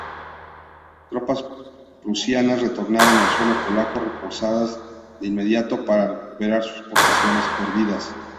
Tropas prusianas retornaron a suelo polaco, reforzadas de inmediato, para recuperar sus posiciones perdidas.